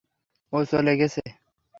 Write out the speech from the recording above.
ও চলে গেছিল।